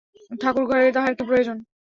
ঠাকুরঘরে তাহার কী প্রয়োজন?